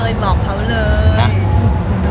บอกเค้าเลยบอกเค้าเลย